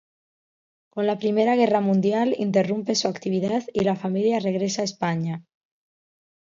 Con la Primera Guerra Mundial interrumpe su actividad y la familia regresa a España.